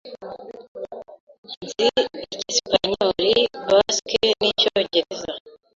Nzi Icyesipanyoli, Basque n'Icyongereza.